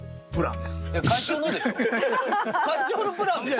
会長のプランでしょ？